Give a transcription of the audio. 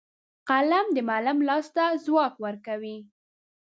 قلم د معلم لاس ته ځواک ورکوي